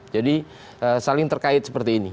jadi saling terkait seperti ini